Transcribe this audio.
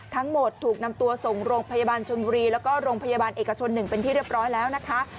ทั้งหมดถูกนำตัวส่งโรงพยาบาลชนบุรีแล้วก็โรงพยาบาลเอกชน๑เป็นที่เรียบร้อยแล้วนะคะ